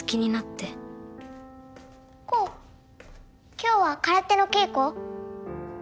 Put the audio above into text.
今日は空手の稽古？